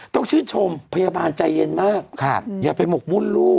ต้องชื่นชมพยาบาลใจเย็นมากอย่าไปหมกมุ่นลูก